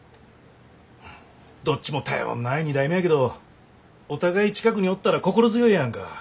どっちも頼んない２代目やけどお互い近くにおったら心強いやんか。